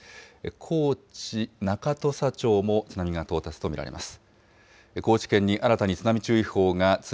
高知中土佐町も津波が到達と見られます。